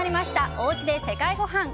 おうちで世界ごはん。